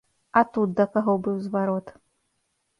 А тут да каго быў зварот?